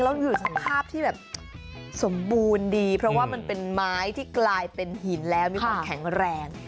แล้วอยู่สภาพที่แบบสมบูรณ์ดีเพราะว่ามันเป็นไม้ที่กลายเป็นหินแล้วมีความแข็งแรง